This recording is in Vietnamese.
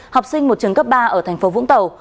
học sinh một trường cấp ba ở thành phố vũng tàu